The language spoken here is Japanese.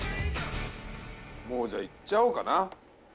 もうじゃいっちゃおうかな。